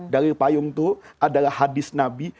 dalil payung itu adalah hadis nabi